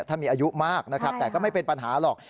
ถ้ามีอายุมากนะครับแต่ก็ไม่เป็นปัญหาหรอก